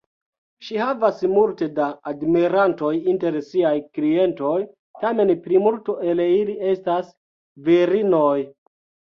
Ŝi havas multe da admirantoj inter siaj klientoj, tamen plimulto el ili estas virinoj.